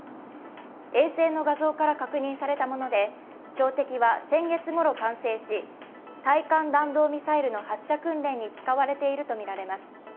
衛星の画像から確認されたもので標的は先月ごろ完成し対艦弾道ミサイルの発射訓練に使われているとみられます。